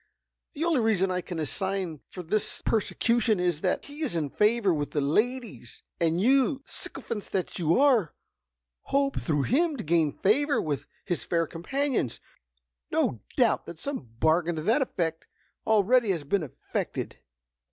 The only reason I can assign for this persecution is, that he is in favor with the ladies, and you, sycophants that you are, hope, through him, to gain favor with his fair companions. No doubt some bargain to that effect already has been effected!"